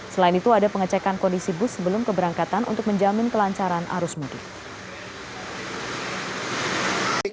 selain itu ada pengecekan kondisi bus sebelum keberangkatan untuk menjamin kelancaran arus mudik